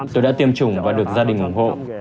tôi đã tiêm chủng và được gia đình ủng hộ